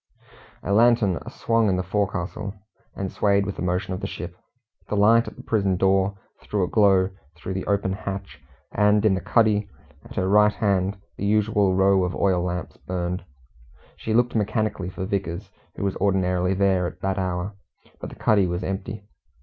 A lantern swung in the forecastle, and swayed with the motion of the ship. The light at the prison door threw a glow through the open hatch, and in the cuddy, at her right hand, the usual row of oil lamps burned. She looked mechanically for Vickers, who was ordinarily there at that hour, but the cuddy was empty.